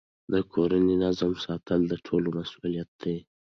د کورني نظم ساتنه د ټولو مسئولیت دی.